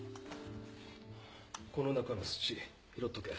この中の土拾っとけ。